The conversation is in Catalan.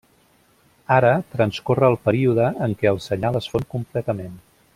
Ara, transcorre el període en què el senyal es fon completament.